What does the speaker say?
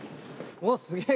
おっすげえ。